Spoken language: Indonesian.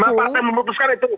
bagaimana pak anda memutuskan itu